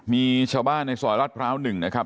มีชาวบ้านในซอยรัดพร้าว๑นะครับ